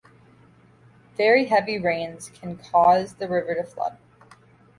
Very heavy rains can cause the river to flood.